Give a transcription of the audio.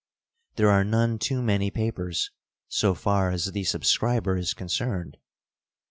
There are none too many papers, so far as the subscriber is concerned.